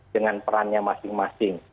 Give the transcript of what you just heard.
dengan perannya masing masing